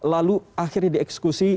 lalu akhirnya dieksekusi